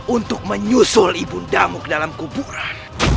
untuk menyusul ibu ndamu ke dalam kuburan